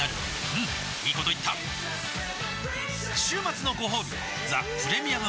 うんいいこと言った週末のごほうび「ザ・プレミアム・モルツ」